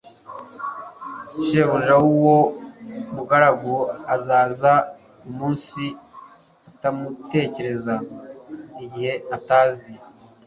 shebuja w'uwo mugaragu azaza umunsi atamutekereza n'igihe atazi."